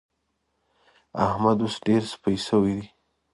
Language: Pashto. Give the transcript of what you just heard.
احمد اوس ډېر سپي شوی دی.